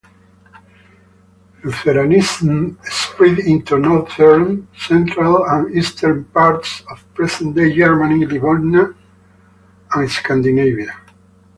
Lutheranism spread into northern, central and eastern parts of present-day Germany, Livonia and Scandinavia.